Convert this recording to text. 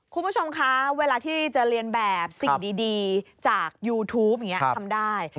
คุณผู้ชมคะเวลาที่จะเรียนแบบสิ่งดีจากยูทูปอย่างนี้ทำได้